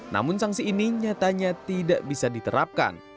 namun sanksi ini nyatanya tidak bisa diterapkan